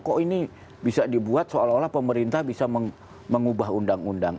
kok ini bisa dibuat seolah olah pemerintah bisa mengubah undang undang